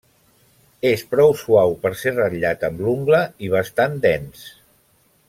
És prou suau per ser ratllat amb l'ungla i bastant dens.